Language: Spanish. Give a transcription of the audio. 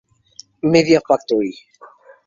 Media Factory